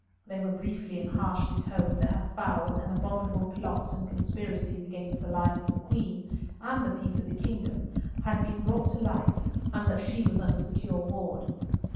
They were briefly and harshly told that her foul and abominable plots and conspiracies against the life of the Queen, and the peace of the Kingdom, had been brought to light, and that she was under secure ward.